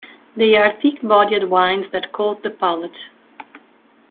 They are thick-bodied wines that coat the palate.